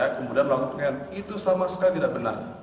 kemudian melakukan itu sama sekali tidak benar